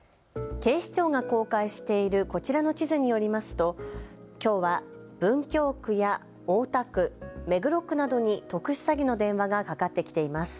警視庁が公開しているこちらの地図によりますときょうは文京区や大田区、目黒区などに特殊詐欺の電話がかかってきています。